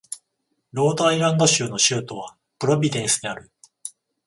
ロードアイランド州の州都はプロビデンスである